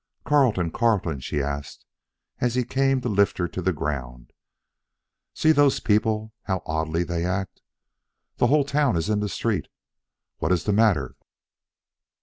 "Carleton, Carleton," she asked as he came to lift her to the ground, "see those people how oddly they act. The whole town is in the street. What is the matter?"